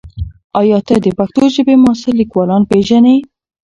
ایا ته د پښتو ژبې معاصر لیکوالان پېژنې؟